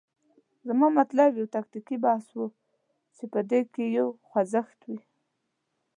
زما مطلب یو تکتیکي بحث و، چې په هغه کې یو خوځښت وي.